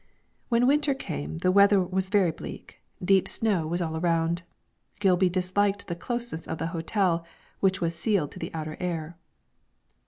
When winter came the weather was very bleak; deep snow was all around. Gilby disliked the closeness of the hotel, which was sealed to the outer air.